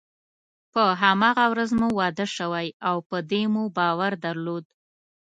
په هماغه ورځ مو واده شوی او په دې مو باور درلود.